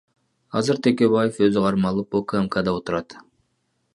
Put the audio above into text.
Азыр Текебаев өзү кармалып, УКМКда отурат.